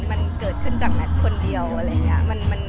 แม็กซ์ก็คือหนักที่สุดในชีวิตเลยจริง